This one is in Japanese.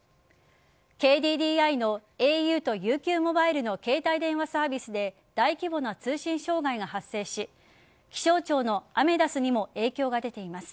ＫＤＤＩのａｕとＵＱモバイルの携帯電話サービスで大規模な通信障害が発生し気象庁のアメダスにも影響が出ています。